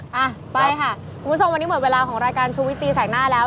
อ่ะไปค่ะคุณผู้ชมวันนี้หมดเวลาของรายการชูวิตตีแสกหน้าแล้ว